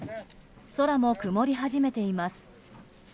空も曇り始めています。